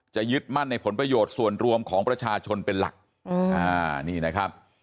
ยึดมั่นในผลประโยชน์ส่วนรวมของประชาชนเป็นหลักนี่นะครับ